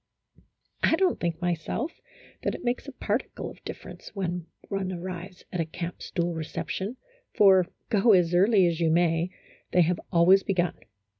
I don't think myself that it makes a particle of difference when one arrives at a camp stool recep tion, for, go as early as you may, they have always begun.